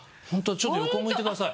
ちょっと横向いてください。